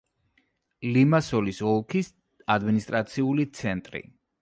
ლიმასოლის ოლქის ადმინისტრაციული ცენტრი.